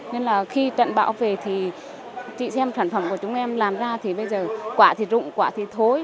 nên là khi trận bão về thì chị xem sản phẩm của chúng em làm ra thì bây giờ quả thì rụng quả thì thối